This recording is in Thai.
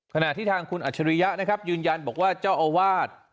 ขณะที่ทางคุณอัจฉริยะนะครับยืนยันบอกว่าเจ้าอาวาส